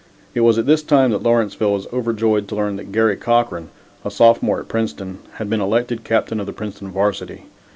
It was at this time that Lawrenceville was overjoyed to learn that Garry Cochran, a sophomore at Princeton, had been elected captain of the Princeton varsity.